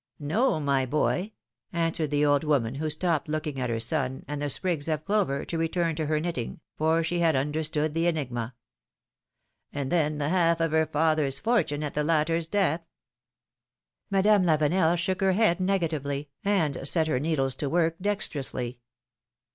No, my boy," answered the old woman, who stopped looking at her son, and the sprigs of clover, to return to her knitting, for she had understood the enigma. ^Olnd then the half of her father's fortune, at the latter's death?" Madame Lavenel shook her head negatively, and set her needles to work dextrously.